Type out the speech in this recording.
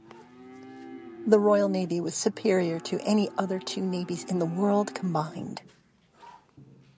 The Royal Navy was superior to any other two navies in the world, combined.